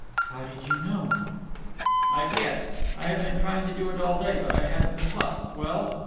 "How did you know?" "I guessed. I have been trying to do it all day, but I hadn't the pluck. Well?"